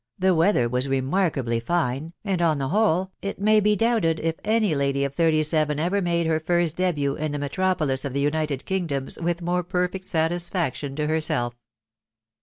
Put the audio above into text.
the weather was renupubly fiat .... and, on the whole, it may be doubted if any: lady of thirty seven ever made her first d6but in the metrepolib of the united kingdoms with more perfect satisfaction to henett.